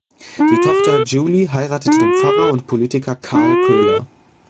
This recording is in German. Die Tochter Julie heiratete den Pfarrer und Politiker Karl Köhler.